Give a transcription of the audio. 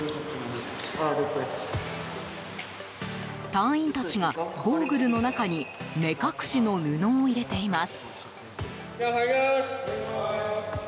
隊員たちが、ゴーグルの中に目隠しの布を入れています。